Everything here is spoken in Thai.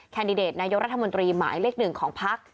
แดดิเดตนายกรัฐมนตรีหมายเลขหนึ่งของพัก